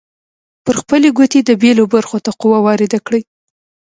پر خپلې ګوتې د بیلو برخو ته قوه وارده کړئ.